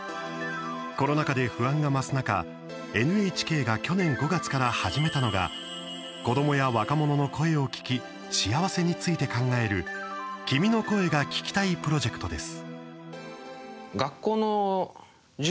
コロナ禍で不安が増す中ＮＨＫが去年５月から始めたのが子どもや若者の声を聴き幸せについて考える「君の声が聴きたい」プロジェクトです。